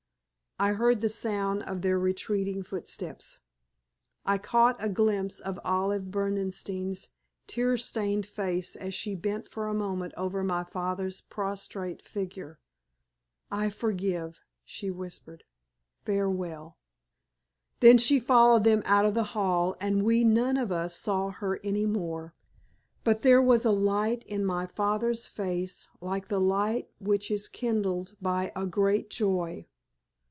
I heard the sound of their retreating footsteps. I caught a glimpse of Olive Berdenstein's tear stained face as she bent for a moment over my father's prostrate figure. "I forgive," she whispered. "Farewell." Then she followed them out of the hall, and we none of us saw her any more. But there was a light in my father's face like the light which is kindled by a great joy.